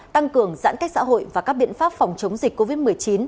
tăng cường giãn cách xã hội và các biện pháp phòng chống dịch covid một mươi chín